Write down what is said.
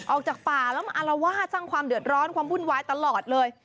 ออกจากป่าแล้วมาอารวาสสร้างความเดือดร้อนความวุ่นวายตลอดเลย